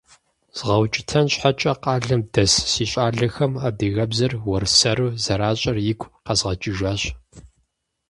ЗгъэукӀытэн щхьэкӀэ къалэм дэс си щӀалэхэм адыгэбзэр уэрсэру зэращӀэр игу къэзгъэкӀыжащ.